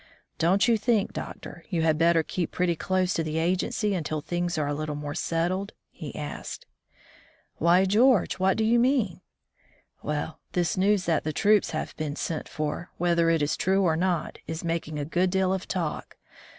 "Don't you think, doctor, you had better keep pretty dose to the agency until things are a little more settled?" he asked. "Why, George, what do you mean?" "Well, this news that the troops have been sent for, whether it is true or not, is making a good deal of talk.